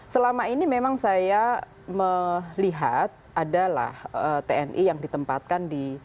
selama ini memang saya melihat adalah tni yang ditempatkan di